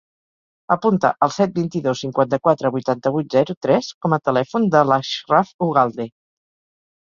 Apunta el set, vint-i-dos, cinquanta-quatre, vuitanta-vuit, zero, tres com a telèfon de l'Achraf Ugalde.